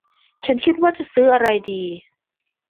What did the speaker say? ฉันจะคิดว่าจะซื้ออะไรดี